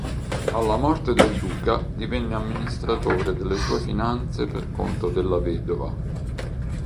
Alla morte del duca, divenne amministratore delle sue finanze per conto della vedova.